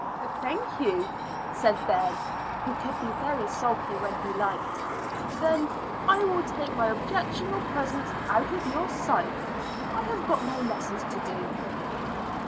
"Thank you," said Ben, who could be very sulky when he liked. "Then I will take my objectionable presence out of your sight. I have got my lessons to do."